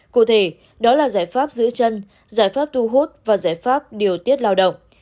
cụ thể đó là giải pháp giữ chân giải pháp thu hút và giải pháp điều tiết lao động